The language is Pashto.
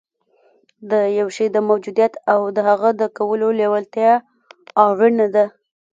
د یوه شي د موجودیت او د هغه د کولو لېوالتیا اړینه ده